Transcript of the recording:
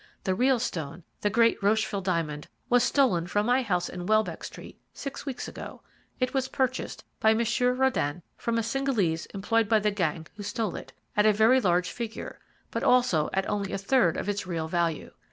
The real stone, the great Rocheville diamond, was stolen from my house in Welbeck Street six weeks ago. It was purchased by Monsieur Röden from a Cingalese employed by the gang who stole it, at a very large figure, but also at only a third of its real value.